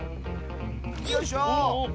よいしょ！